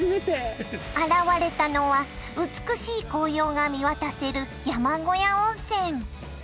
現れたのは美しい紅葉が見渡せる山小屋温泉。